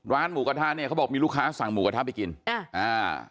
หมูกระทะเนี้ยเขาบอกมีลูกค้าสั่งหมูกระทะไปกินอ่าอ่า